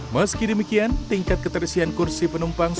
meski demikian tingkat keterisian kursi penumpang